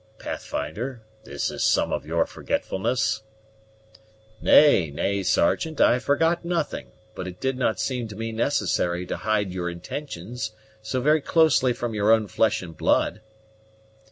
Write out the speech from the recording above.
"Pathfinder, this is some of your forgetfulness?" "Nay, nay, Sergeant, I forgot nothing; but it did not seem to me necessary to hide your intentions so very closely from your own flesh and blood."